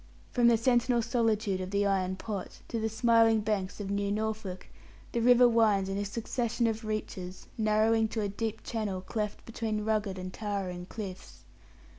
From the sentinel solitude of the Iron Pot to the smiling banks of New Norfolk, the river winds in a succession of reaches, narrowing to a deep channel cleft between rugged and towering cliffs.